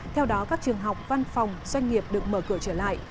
theo đó các trường học văn phòng doanh nghiệp được mở cửa trở lại